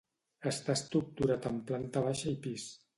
Està estructurat en planta baixa i pis.